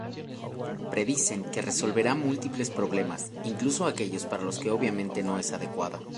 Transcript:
Predicen que resolverá múltiples problemas, incluso aquellos para los que obviamente no es adecuada.